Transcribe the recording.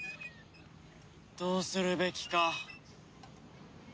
どうするべきか。